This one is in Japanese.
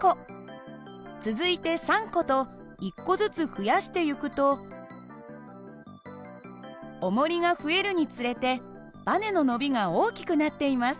続いて３個と１個ずつ増やしてゆくとおもりが増えるにつれてばねの伸びが大きくなっています。